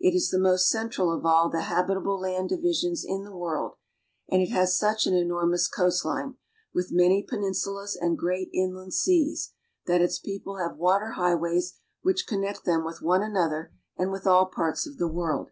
It is the most central of all the habitable land divisions in the world, and it has such an enormous coast line, with many peninsulas and great inland seas, that its people have water highways which connect them with one another and with all parts of the world.